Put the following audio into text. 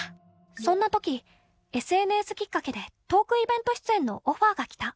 そんなとき、ＳＮＳきっかけでトークイベント出演のオファーが来た。